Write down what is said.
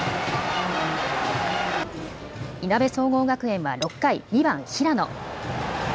いなべ総合学園は６回、２番・平野。